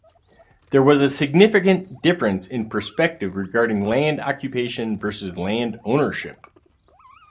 There was a significant difference in perspective regarding land occupation versus land ownership.